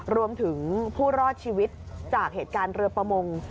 ผู้รอดชีวิตจากเหตุการณ์เรือประมง